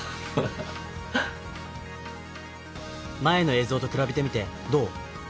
前の映像とくらべてみてどう？